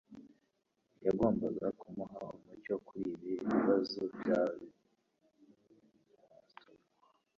yagombaga kumuha umucyo kur’ibi bibazo byari bimuhagaritse umutima igihe kirekire.